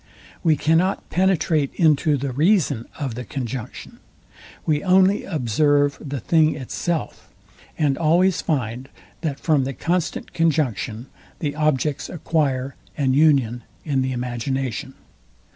We cannot penetrate into the reason of the conjunction. We only observe the thing itself, and always find that from the constant conjunction the objects acquire an union in the imagination.